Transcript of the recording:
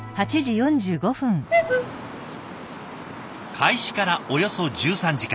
開始からおよそ１３時間。